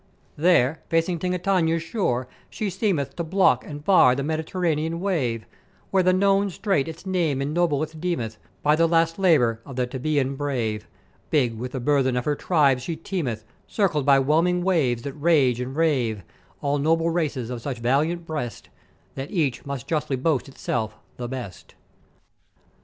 "There, facing Tingitania's shore, she seemeth to block and bar the Med'iterranean wave, where the known Strait its name ennobled deemeth by the last labour of the Theban Brave. Big with the burthen of her tribes she teemeth, circled by whelming waves that rage and rave; all noble races of such valiant breast, that each may justly boast itself the best.